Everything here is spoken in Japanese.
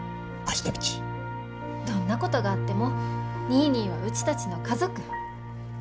どんなことがあってもニーニーはうちたちの家族。